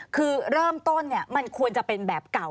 คือเริ่มต้นมันควรจะเป็นแบบเก่า